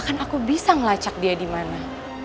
kan aku bisa ngelacak dia dimana